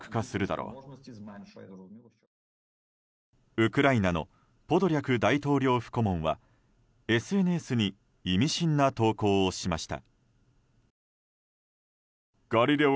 ウクライナのポドリャク大統領府顧問はＳＮＳに意味深な投稿をしました。